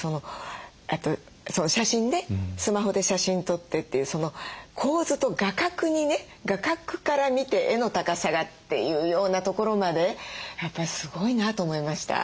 あと写真ねスマホで写真撮ってっていうその構図と画角にね画角から見て絵の高さがっていうようなところまでやっぱりすごいなと思いました。